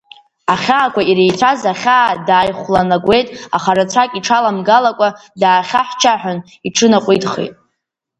Ахьаақәа иреицәаз ахьаа дааихәланагәеит, аха, рацәак иҽаламгалакәа, даахьаҳәчаҳәын, иҽынаҟәиҭхеит.